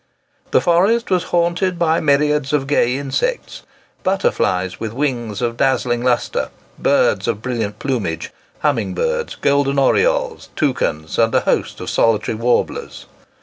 The forest was haunted by myriads of gay insects, butterflies with wings of dazzling lustre, birds of brilliant plumage, humming birds, golden orioles, toucans, and a host of solitary warblers.